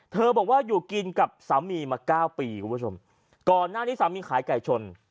บอกว่าอยู่กินกับสามีมาเก้าปีคุณผู้ชมก่อนหน้านี้สามีขายไก่ชน